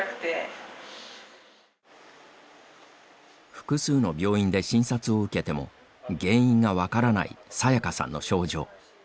複数の病院で診察を受けても原因が分からないさやかさんの症状。